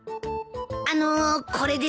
あのこれですが。